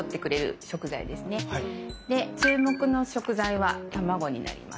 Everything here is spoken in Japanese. で注目の食材は卵になります。